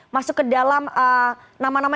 masuk ke dalam nama nama